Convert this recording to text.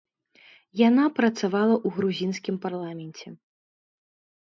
Яна працавала ў грузінскім парламенце.